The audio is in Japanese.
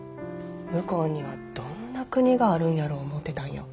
向こうにはどんな国があるんやろう思てたんよ。